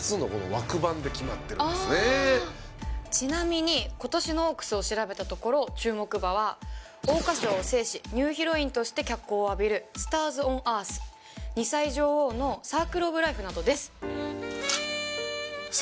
ちなみに今年のオークスを調べたところ注目馬は桜花賞を制しニューヒロインとして脚光を浴びるスターズオンアース２歳女王のサークルオブライフなどです